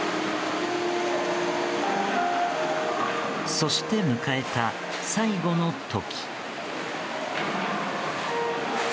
そして迎えた最後の時。